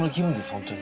本当に。